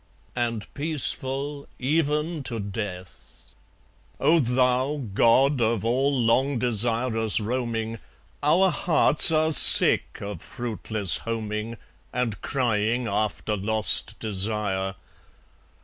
And peaceful even to death. ... O Thou, God of all long desirous roaming, Our hearts are sick of fruitless homing, And crying after lost desire.